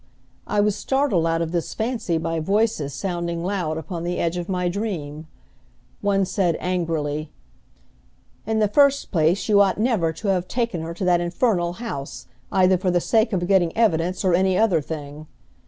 I was startled out of this fancy by voices sounding loud upon the edge of my dream. One said angrily, "In the first place you ought never to have taken her to that infernal house, either for the sake of getting evidence or any other thing."